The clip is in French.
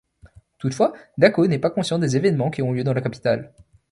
Toutefois, Dacko n'est pas conscient des événements qui ont lieu dans la capitale.